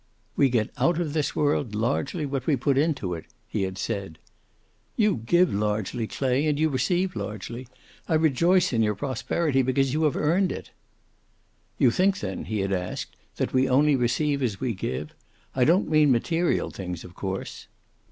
"We get out of this world largely what we put into it," he had said. "You give largely, Clay, and you receive largely. I rejoice in your prosperity, because you have earned it." "You think, then," he had asked, "that we only receive as we give? I don't mean material things, of course."